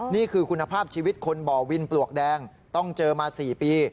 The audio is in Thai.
นี่คือคุณภาพชีวิตคนบ่อวินปลวกแดงต้องเจอมา๔ปี